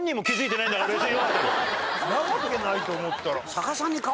そんなわけないと思ったら。